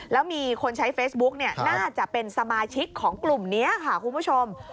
แล้วมีคนใช้เฟซบุ๊กน่าจะเป็นสมาชิกของกลุ่มนี้ค่ะคุณผู้ชม